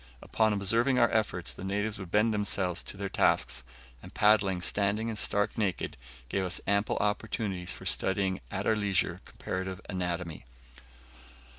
Upon observing our efforts, the natives would bend themselves to their tasks, and paddling standing and stark naked, give us ample opportunities for studying at our leisure comparative anatomy.